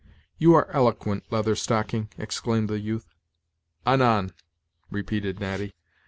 "You are eloquent, Leather Stocking," exclaimed the youth. "Anan!" repeated Natty.